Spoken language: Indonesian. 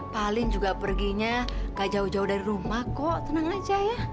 paling juga perginya gak jauh jauh dari rumah kok tenang aja ya